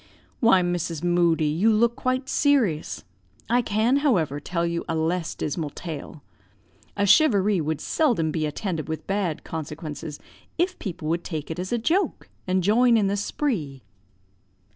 "Why, Mrs. Moodie, you look quite serious. I can, however, tell you a less dismal tale, A charivari would seldom be attended with bad consequences if people would take it as a joke, and join in the spree."